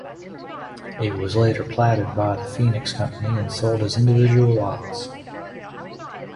It was later platted by the Phoenix Company and sold as individual lots.